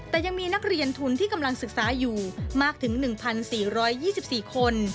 แต่ยังมีนักเรียนทุนที่กำลังศึกษาอยู่มากถึง๑๔๒๔คน